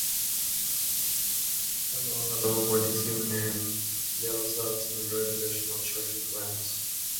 They also have similar, educational, social, plans.